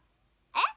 えっ！